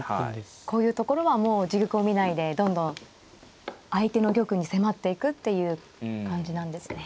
こういうところはもう自玉を見ないでどんどん相手の玉に迫っていくっていう感じなんですね。